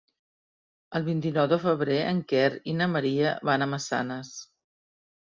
El vint-i-nou de febrer en Quer i na Maria van a Massanes.